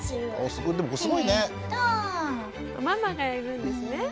ママがいるんですね。